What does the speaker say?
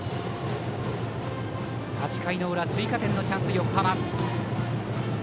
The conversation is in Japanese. ８回裏、追加点のチャンス、横浜。